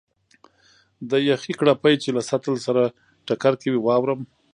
د یخې کړپی چې له سطل سره ټکر کوي، واورم.